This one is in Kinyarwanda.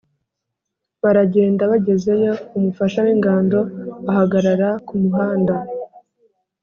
Baragenda, bagezeyo umufasha w’ingando ahagarara ku muhanda